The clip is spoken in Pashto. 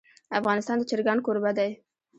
افغانستان د چرګان کوربه دی.